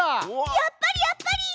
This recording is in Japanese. やっぱりやっぱり！